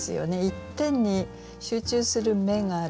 一点に集中する目がある。